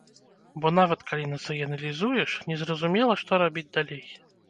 Бо нават калі нацыяналізуеш, незразумела, што рабіць далей.